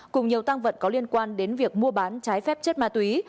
cùng nhiều tăng vật có liên quan đến việc mua bán trái phép chất ma túy